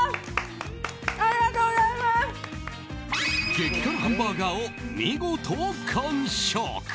激辛ハンバーガーを見事完食。